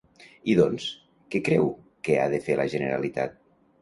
I doncs, què creu que ha de fer la Generalitat?